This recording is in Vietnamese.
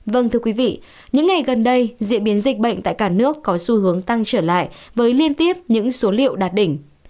vâng thưa quý vị những ngày gần đây diễn biến dịch bệnh tại cả nước có xu hướng tăng trở lại với liên tiếp những số liệu đạt đỉnh